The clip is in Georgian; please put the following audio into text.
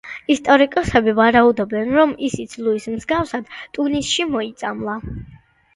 ისტორიკოსები ვარაუდობენ, რომ ისიც ლუის მსგავსად ტუნისში მოიწამლა.